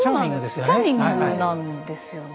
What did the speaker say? チャーミングですよね。